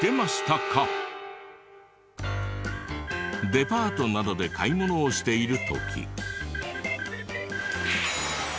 デパートなどで買い物をしている時。